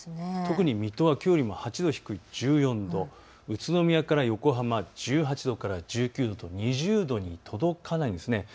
特に水戸はきょうより８度低い１４度、宇都宮から横浜１８度から１９度２０度に届かないです。